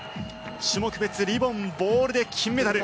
種目別リボン・ボールで金メダル。